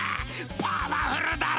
パワフルだろ？